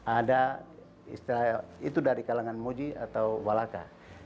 ada istilahnya itu dari kalangan moji atau walaka